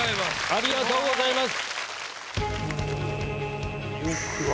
ありがとうございます。